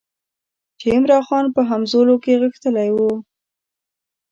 چې عمرا خان په همزولو کې غښتلی وو.